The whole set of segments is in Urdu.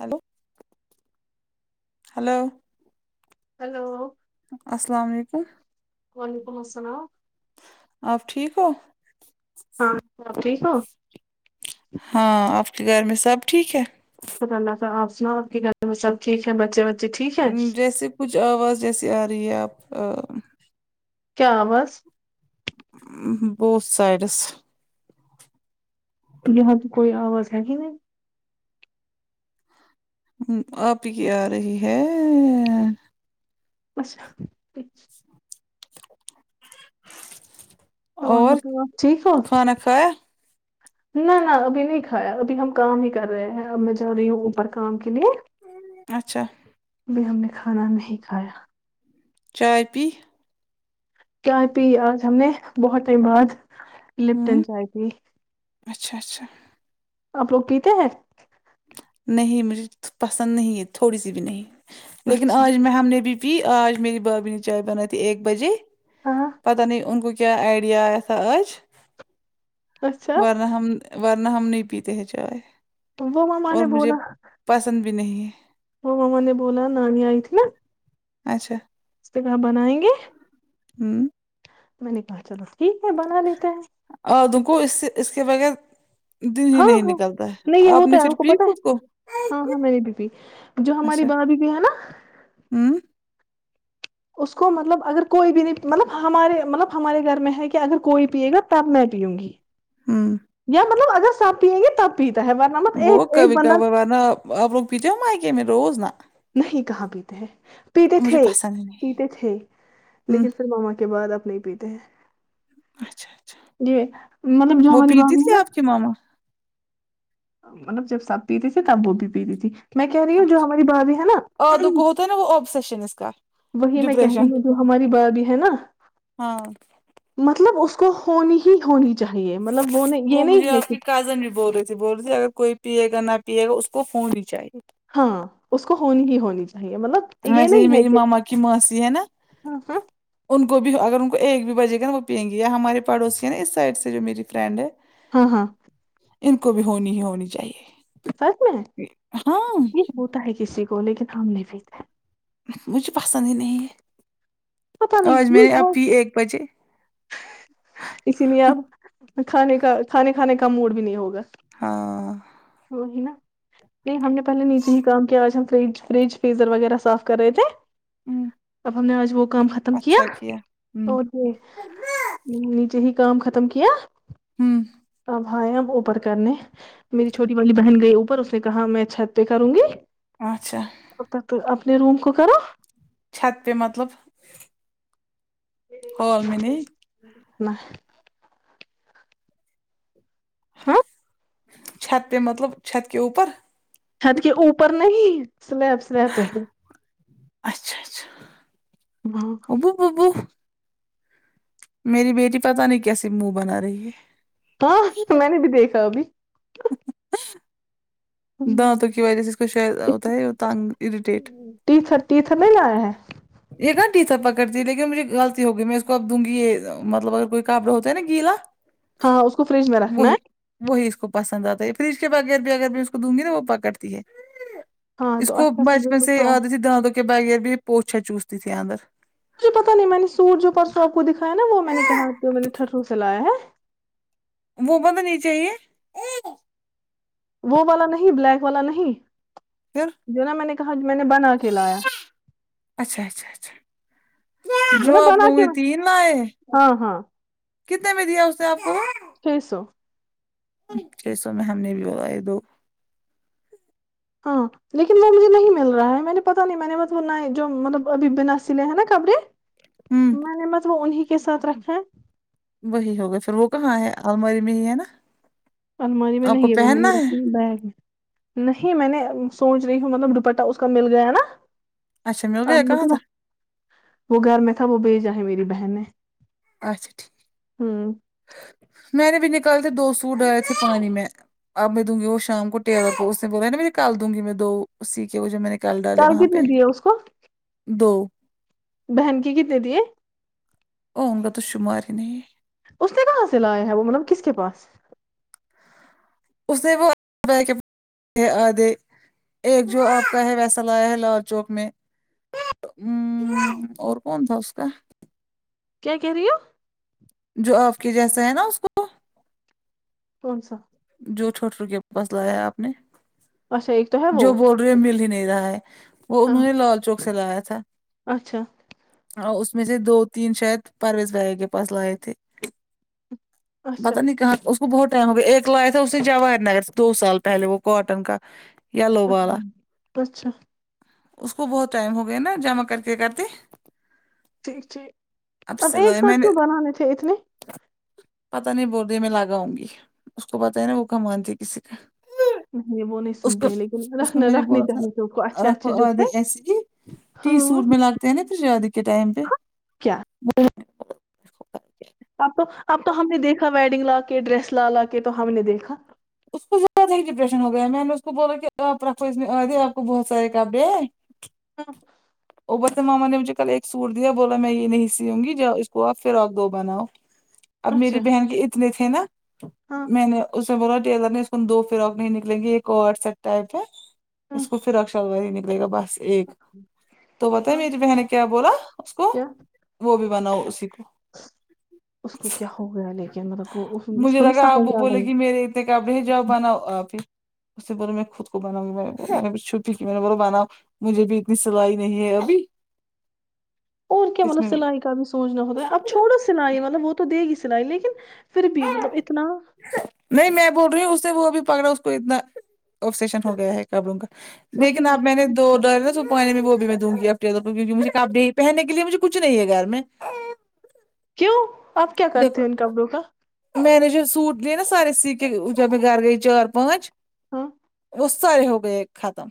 ہیلو ہلو ہلو السلام علیکم وعلیکم السلام آپ ٹھیک ہو ہاں میں ٹھیک ہو ہاں آپ کے گھر میں سب ٹھیک ہے تو اللہ تعالی آپ سناو آپ کی گھر میں سب ٹھیک ہے بچے وچ جیسے کچھ آواز جیسی آ رہی ہے آپ آ کیا آواز بوتھ سائڈس یہاں تو کوئی آواز ہے ہی نہیں آپ ہی کی آ رہی ہے بس فون ہو اور تو آپ ٹھیک ہو کھانا کھایا نہ نہ ابھی نہیں کھایا ابھی ہم کام ہی کر رہے ہیں اب میں جا رہی ہوں اوپر کام کے لیے اچھا ابھی ہم نے کھانا نہیں کھایا چاے پی چاںے پی آج ہم نے بہت ٹائم بعد لپٹن ہوں چائے پی اچھا اچھا آپ لوگ پیتے ہو نہیں مجھے پسند نہیں ہے تھوڑی سی بھی نہیں لیکن اچھا آج میں ہم نے بھی پی آج میری بھابی نے چائے بنائی تھی ایک بجے ہاں پتہ نہیں ان کو کیا آئیڈیا آیا تھا آج اچھا ورنہ ہم ورنہ ہم نہیں پیتے ہی چائے تو وہ مماں اور نے مجھے بولا پسند بھی نہیں وہ ممما نے بولا نانی آی تھی نا اچھا اس سے کہ بنائیں گے ہم امم میں نے کہا چلو ٹھیک ہے بنا لیتے ہیں اور د یکھو اس سے اس کے بغیر دن ہی ہاں نہیں ہاں نکلتا ہے نہیں یہ آپ ہوتا نے ہے پھر پی پتا خود ہے کو ہاں ہاں میری بیوی جو ہماری بھابی بھی ہے نا امم اس کو مطلب اگر کوئی بھی نہیں مطلب ہمارے مطلب ہمارے گھر میں ہے کہ اگر کوئی پیے گا تب میں پیوں گی ہاں یا مطلب اگر سب پیئ گے تب پیتا ہے ورن وہ کب کا باباانا اپ پت م آ گے میں روز نا [unintelligible] نہیں کہاں پیتے ہیں پیتے مجھے تھے پسند ہی نہیں پیتے تھے ہوں لیکن پھر ماما کے بعد اب نہیں پیتے ہیں اچھا اچھا جی مطلب جو وہ ہماری پیتی بھابی ہے تھی نہ آپ ماما مطلب جب سب پیتے تھے تب وہ بھی پیتی تھی میں کہہ رہی ہوں جو اچھا ہماری بھابھی ہے اور نا دک تو نا وہ اوبسیشنز کا وہی میں کہہ ڈپریشن رہی ہوں جو ہماری با بھی ہے نا ہاں مطلب اس کو ہونی ہی ہونی چاہیے مطلب وہ یہ نہیں ہے کہ رازن نہیں بول رہے بول رہی اگر کوئی پیے گا نہ پیے گا اس کو فون ہی چاہیے ہاں اس کو ہونی ہی ہونی چاہیے مطلب یہ ویسے ہی نہیں ہے میری کہ ماما کی ماںسی ہے نا ہاں ہاں ان کو بھی اگر ان کو ایک بھی بجے گا نا وہ پئیں گی یا ہمارے پڑوسی ہے نا اس سائڈ سے جو میری فرینڈ ہے ہاں ہاں ان کو بھی ہونی ہی ہونی چاہیے فرق میں ہاں یہ ہوتا ہے کسی کو لیکن ہم نہیں پیتا مجھے پسند ہی نہیں پتا ہے نہیں آج میں نے یہ ہے اب پی ایک بجے اسی لیے اب کھانے کا کھانے کھانے کا موڈ بھی نہیں ہوگا ہاں تو ہی نا نہیں ہم نے پہلے نیچے ہی کام کیا آج ہم فج فریج فیزر وغیرہ صاف کر رہے تھے ہمم اب ہم نے آج وہ کام ختم کیا اچھا ہمم اوک نیچے ہی کام ختم کیا ہوں ھ اوپر کرنے میری چھوٹی والی بہن گئی اوپر اس نے کہا میں چھت پہ کروں گی اچھا اتھاتو اپنے روم کو کرو چھت پہ مطلب ہال میں نہیں نہ ہاں چھت پہ مطلب چھت کے اوپر چھت کے اوپر نہیں سلیب سلیب پہلی اچھا اچھا بہو وہبو وہبو [unintelligible] میری بیٹی پتا نہیں کیسی منہ بنا رہی ہے ہاں میں نے بھی دیکھا ابھی ہے دانتوں کی وجہ سے اس کو شاید ہوتا ہے تنگ اریٹیٹ [unintelligible] تھر ٹی تھر نہیں لاے ہیں ایک گنٹی سر پکڑتی ہے لیکن مجھے غلط ہو گئی میں اس کو اب دوں گی یہ مطلب اگر کوئی کابڑ ہو ہے نا گیلا ہاں اس کو فریج میں رکھنا وہی ہے وہی اس کو پسند آتا ہے فریج کے بغیر بھی اگر میں اس کو دوں گی نا وہ پکڑتی ہے ہاں اس تو کو اچھا بچپن سے دیکھو، یاد تھی دھانتوں کے بغیر بھی پوچھا چوستی تھی اندر مجھے پتا نہیں میں نے سوٹ جو پرسوں آپ کو دکھایا نا وہ میں نے کہا جو میں نے ٹرو سے لایا ہے وہ بند نہیں چاہیے وہ والا نہیں بلیک والا نہیں پھر جو نا میں نے کہا میں نے بنا کے لایا اچھا اچھا اچھا جو نا اپنا بنا کو کے تین لائے ہاں ہاں کتنے میں دیا اس نے آپ کو ہے سو چھ سو میں ہم نے بلا ہے دو ہاں لیکن وہ مجھے نہیں مل رہا ہے میں نے پتا نہیں میں نے جو مطلب ابھی بنا سلے ہیں نا کبڑے ہوں میں نے بس وہ انہیں کے ساتھ رکھے وہی ہوگا پھر وہ کہاں ہے الماری میں ہی ہے نا الماری میں آپ نہیں کو ہے وہ میں نے پہننا رکھی بیگ میں نہیں میں نے سوچ رہی ہوں مطلب دوپٹہ اس کا مل گیا نا اچھا مل گیا کہاں تھا [unintelligible] وہ گھر میں تھا وہ بھیجا ہے میری بہن نے اچھاٹھیک ہوں میں نے بھی نکالکے دو سوٹ ڈالے تھے پانی میں اب میں دوں گی وہ شام کو ٹیلر کو اس نے بولا نا مجھے کل دوں گی میں دو سیکے وہ جو میں نے نکال ڈالے کل وہاں پہ کتنے دیے اس کو دو بہن کے کتنے دیے ؤ ان کا تو شمار ہی نہیں اس نے کہاں سے لایا ہے وہ مطلب کس کے پاس اس نے وہ بیک آدھے ایک جو آپ کا ہے ویسا لایا ہے لال چوک میں ہوں اور کون تھا اس کا کیا کہہ رہی ہو جو آپ کے جیسا ہے نا اس کو کون سا جو چھوٹ رو کے پاس لایا آپ نے اچھا ایک تو ہے وہ برے مل ہی نہیں رہا ہے وہ ہاں انہوں نے لال چوک سے لایا تھا اچھا ہاں اس میں سے دو تین شاید پرویز بھیا کے پاس لائے تھے اچھا پتا نہیں کہاں اس کو بہت ٹائم ہو گیا ایک تو لایا تھا اسے جواہر نگر سے دو سال پہلے وہ کاٹن کا یلو اچھا والا اچھا اس کو بہت ٹائم ہو گیا نا جمع کر کے کرتے ٹھیک ٹھیک اب ایک سلائی میں ساتھ نے کیوں بنانے تھے اتنے پتا نہیں بول ری میں لگاؤں گی اس کو پتا ہے نا وہ کا مانتی ہے کسی کا نہیں وہ نہیں اس کو سنتی ہے لیکن اس کو رکھنا میں نے رکھنے بولا چاہیے تھے اس کو اچھے تھا رکھ اچھے جو تھے وادے ایسے ہی ٹی ہاں سوٹ میں لاتے ہیں نا شادی کے ٹائم پہ کیا اب تو اب تو ہم نے دیکھا ویڈنگ لا کے ڈریس لا لا کے تو ہم نے دیکھا اس کو زیادہ ہی ڈپریشن ہو گیا میں نے اس کو بولا کہ آپ رکھو اس میں آئے آپ کو بہت سارے کپڑے ہاں اویس ماما نے مجھے کل ایک سوٹ دیا بولا میں یہ نہیں سیوں گی جاؤ اس کو آپ فراک دو بناؤ اب اچھا میری بہن کے اتنے تھے نا ہاں میں نے اس نے بولا ٹیلر نہیں اس دو فراک نہیں نکلیں گے ایک اور سٹ ٹائپ ہے ہاں اس کو پھر اک شلوار ہی نکلے گا بس ایک تو پتا ہے ہاں میری بہن نے کیا بولا اس کو کیا وہ بھی بناؤ اسی کو اس کو کیا ہو گیا لیکن مطلب وہ اس مجھے کو نہیں لگا سمجھ آپ وہ رہا بولے ہے گی میرے اتے کبڑے ہی جاؤ بناؤ آپ ہی اس سے بولا میں خود کو بناؤں گی میں چھپی کی میں نے بولا بناؤں مجھے بھی اتنی سلائی نہیں ہے ابھی اور کیا اس مطلب میں سلائی کام سوچنا ہوتا ہے اب چھوڑو سلائی والا وہ تو دے گی سلائی لیکن پھر بھی مطلب اتنا نہیں میں بول رہی ہوں اس سے وہ بھی پر رہا اس کو اتنا اؤبسیشن ہو گیا ہے کبوں کا وہی لیکن اپ وہی میں نے تو ڈر نا سپانی میں وہ بھی میں دوں گی [unintelligible] ا کیک مجھے کاپی پہنے کےے مجھے کچھ نہیں ہے گھر میں کیوں آپ کیا کرتے ہو دیکھو ان کپڑوں کا میں نے جو سوٹ لے نا سارے سی کے جب میں گھر گئی چار پانچ ہاں اس سارے ہو گئے ختم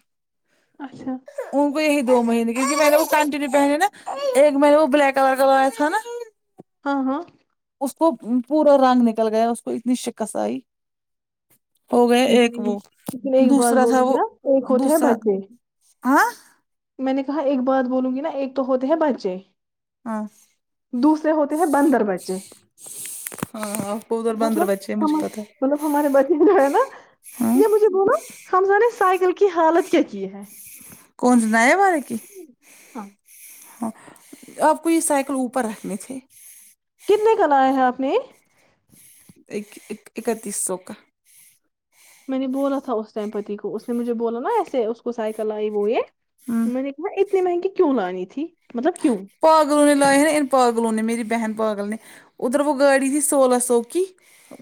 اچھا ان کو یہی دو مہینے کیونکہ میں نے وہ کنٹینیو پہنے نا ایک میں نے وہ بلیک کلر کروایا تھا نا ہاں ہاں اس کو پورا رنگ نکل گیا اس کو اتنی شکست آئی ہو گئے لیکن ایک وہ لیکن ایک بات دوسرا تھا بولوں گی وہ نا ایک ہوتے ہیں دوسرا بچے ہاں میں نے کہا ایک بات بولوں گی نا ایک تو ہوتے ہیں بچے ہاں دوسرے ہوتے ہیں بندر بچے ہاں آپ کو ادھر بندر مطلب بچے ہم مجھے پتا ہے مطلب ہمارے بتی رہے نا یہ مجھے بولا ہمزہ نے سائیکل کی حالت کیا کی ہے کونسا نئے والے کی ہاں ہاں آپ کو یہ سائیکل اوپر رکھنی تھی کتنے کا لایا ہیں آپ نے یہ ایک ایک اکتیس سو کا میں نے بولا تھا اس ٹائم پتی کو اس نے مجھے بولا نا ایسے اس کو سائیکل آئی وہ یہ ہوں میں نے میں اتنی مہنگی کیوں لانی تھی مطلب کیوں پاگلوں نے لائے نا ان پاگلوں نے میری بہن پاگل نے ادھر وہ گاڑی تھی سولہ سو کی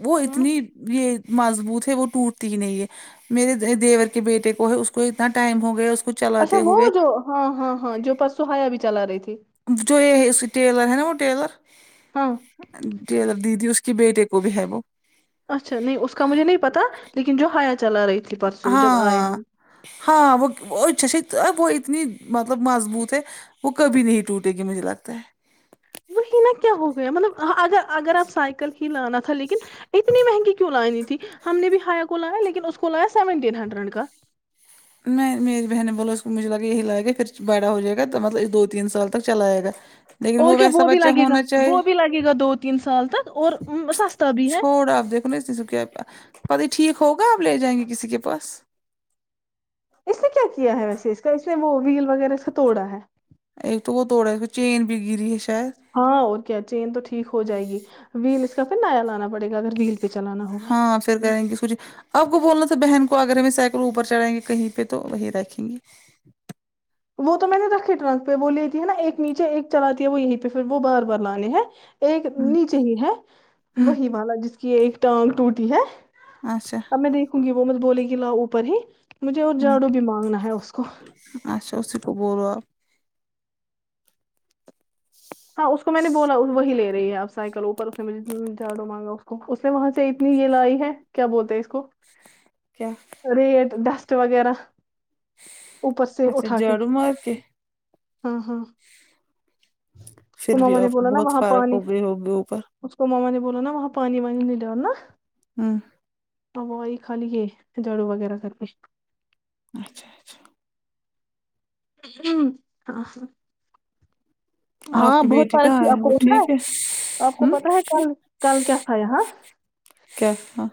وہ اتنی یہ مضبوط ہے وہ ٹوٹتی ہی نہیں ہے میرے دیور کے بیٹے کو ہے اس کو اتنا ٹائم ہو گیا اس کو اچھا چلاتے وہ ہوئے جو ہاں ہاں ہاں جو پرسو حیا بھی چلا رہی تھی جو یہ اس ٹیلر ہے نا وہ ٹیلر ہاں ٹیلر دیدی اس کی بیٹے کو بھی ہے وہ اچھا نہیں اس کا مجھے نہیں پتا لیکن جو ہایا چلا رہی ت ہاں ہاں وہ وہ چ وہ اتنی مطلب مضبوط ہے وہ کبھی نہیں ٹوٹے گی مجھے لگتا ہے وہی نہ کیا ہو گیا مطلب اگر اگر آپ سائیکل ہی لانا تھا لیکن اتنی مہنگی کیوں لانی تھی ہم نے بھی حیا کو لایا لیکن اس کو لایا سیونٹین ہنڈریڈ کا نہیں میری بہن نے بولو اس مجھے لگا یہی لائے گا پھر بڑا ہو جائے گا تو مطلب دو تین سال تک چلائے گا لیکن اور کیا ویسا وہ بھی بچہ لگے گا ہونا چاہیے وہ بھی لگے گا دو تین سال تک اور س چھوڑا آپ دیکھو نا اس کیا پ ہی ٹھیک ہوگا آپ لے جائیں گے کسی کے پاس اس نے کیا کیا ہے ویسے اس کا اس نے وہ ویل وغیرہ اس کو توڑا ہے ایک تو وہا تھوڑا سہ چین بھی گری ہے شاید ہاں اور کیا چین تو ٹھیک ہو جائے گی ویل اس کا پھر نیا آنا پڑے گا اگر ویل پہ چلانا ہوگا ہاں پھر کریں گے س آپ کو بولنا تھا بہن کو اگر ہمیں سائیکل اوپر چڑائیں گے کہیں پہ تو وہی ریکھیں گے وہ تو میں نے رکھے ٹرنک پہ وہ لی تھے نا ایک نیچے ایک چلااتی ہے وہ یہیں پہ پھر وہ بار بار لانے ہے ایک ہمم نیچے ہی ہے وہی والا جس کی ایک ٹانگ ٹوٹی ہے اچھا اب میں دیکھوں گی وہ مت بولے گی لا اوپر ہی مجھے اور ہمم جاڑو بھی مانگنا ہے اس کو اچھا اس کو بولو آپ ہاں اس کو میں نے بولا وہی لے رہی ہے آپ سائیکل اوپر اس نے مجھے جاڑو مانگا اس کو اس نے وہاں سے اتنی یہ لائی ہے کیا بولتے ہیں اس کو کیا ریٹ ڈسٹ وغیرہ اوپر سے اچھا اٹھا کے جھاڑو مار کے ہاں ہاں اس کو پھر بھی ماما نے آپ بولا نا بہت وہاں فرق پانی ہو گئی ہوگی اوپر اس کو ماما نے بولا نا وہاں پانی وانی نہیں ڈالنا ہوں ا وہی خا لی ہے جھاڑو وغیرہ کر کے اچھا اچھا ام ہاں ہاں ہاں آپ کی بہت بیٹی سار کہاں وہ کو ہے آپ کو پتا ہے ٹھیک اپ کو ہوں پتا ہے کل کل کیا تھا یہاں کیا تھا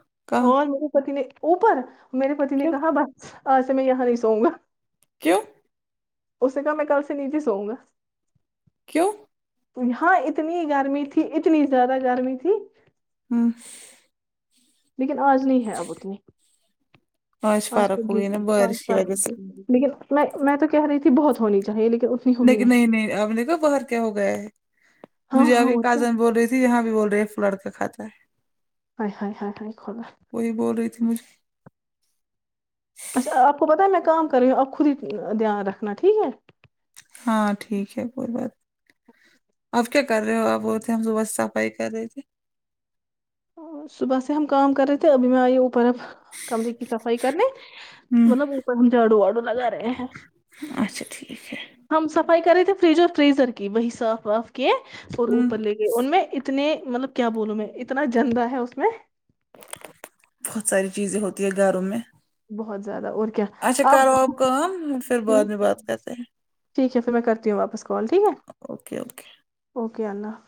اور میرے پتی نے اوپر میرے پتی نے کیوں کہا بس اج سے میں یہاں نہیں سو گا کیوں اسنے کہا میں کل سے نیچے سوؤوں گا کیوں یہاں اتنی گرمی تھی اتنی زیادہ گرمی تھی ہاں لیکن آج نہیں ہے اب اتنی [unintelligible] آج فرق ہوئی بالک نا پانچ بارش کی بارہ وجہ سے م لیکن میں میں تو کہہ رہی تھی بہت ہونی چاہیے لیکن نہیں نہیں نہیں اب دیکھو باہر کیا ہو گیا ہے ہاں مجھے ہاں ابھی اور کیا کازن بول رہے تھ جی یہاں بھی بول رہے ہیں پ لڑکا کاتا ہے آے ہاے ہاے ہاے وہی بول رہی تھی مجھے اچھا آپ کو پتہ ہے میں کام کر رہی ہوں آپ خود ہی دھیان رکھنا ٹھیک ہے ہاں ٹھیک ہے کوئی بات اپ کیا کر رہے ہو آپ بولتے ہم صبح صفائی کر رہے تھے صبح سے ہم کام کرے تو اب میں آئیے اوپر اب کمرے کی صفائی کرنے ہوں مطلب اوپر ہم جھاڑو واڑو لگا رہے ہیں اچھا ٹھیک ہے ہم صفائی کر رہے تھے فریج اور فریزر کی وہی صاف واف کی اور ہوں اوپر لے گئے ان میں اتنے مطلب کیا بولوں میں اتنا زندہ ہے اس میں بہت ساری چیزیں ہوتی ہے گھروں میں بہت زیادہ اور کیا اچھا اب کرو آپ کام پھر بعد میں بات کرتے ٹھیک ہے پھر میں کرتی ہوں واپس کال ٹھیک ہے اوکے اوکے اوکے اللہ حاف